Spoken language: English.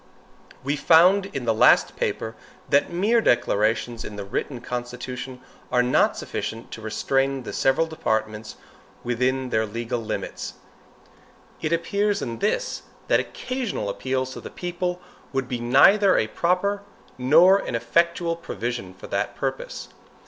We found in the last paper, that mere declarations in the written constitution are not sufficient to restrain the several departments within their legal rights. It appears in this, that occasional appeals to the people would be neither a proper nor an effectual provision for that purpose.